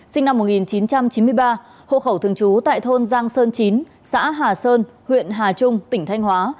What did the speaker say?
sinh năm một nghìn chín trăm chín mươi ba hộ khẩu thường trú tại thôn giang sơn chín xã hà sơn huyện hà trung tỉnh thanh hóa